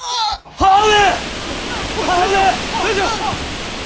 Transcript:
母上！